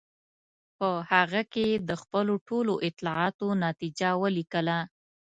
په هغه کې یې د خپلو ټولو اطلاعاتو نتیجه ولیکله.